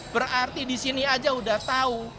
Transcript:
berarti di sini aja udah tahu